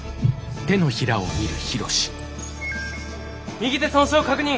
右手損傷確認。